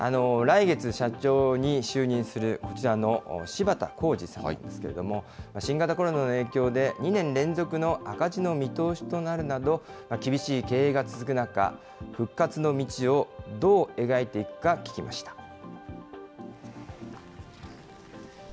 来月、社長に就任する、こちらの芝田浩二さんですけれども、新型コロナの影響で、２年連続の赤字の見通しとなるなど、厳しい経営が続く中、復活の道をどう描いていくか聞きました。